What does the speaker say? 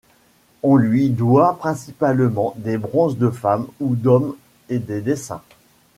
On lui doit principalement des bronzes de femmes ou d’hommes et des dessins.